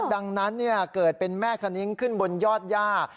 ดังนั้นเกิดเป็นแม่คณิ้งขึ้นบนยอดย่า